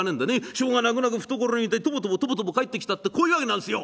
しょうがなくなく懐に入れてとぼとぼとぼとぼ帰ってきたってこういうわけなんすよ！